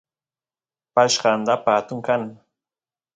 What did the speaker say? pashqa andapa atun kan